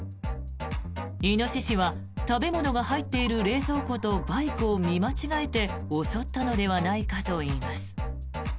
イノシシは、食べ物が入っている冷蔵庫とバイクを見間違えて襲ったのではないかといいます。